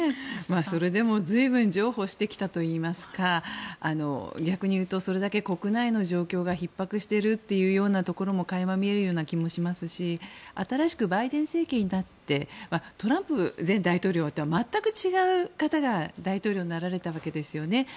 それでも随分と譲歩してきたといいますか逆に言うとそれだけ国内の状況がひっ迫しているということが垣間見える気もしますし新しくバイデン政権になってトランプ前大統領とは全く違う方が大統領になられたわけですよね。